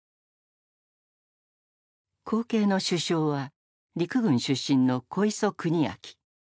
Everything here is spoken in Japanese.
後継の首相は陸軍出身の小磯国昭。